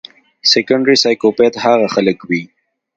سيکنډري سائکوپېت هاغه خلک وي